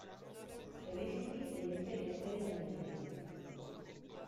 Felicity le dice que espere en el vestíbulo.